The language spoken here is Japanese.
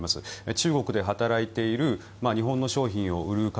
中国で働いている日本の商品を売る方